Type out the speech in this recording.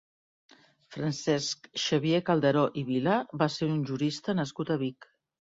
Francesc Xavier Calderó i Vila va ser un jurista nascut a Vic.